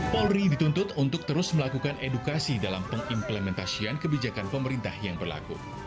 polri dituntut untuk terus melakukan edukasi dalam pengimplementasian kebijakan pemerintah yang berlaku